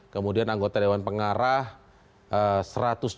kemudian anggota dewan pengarah rp seratus delapan ratus sebelas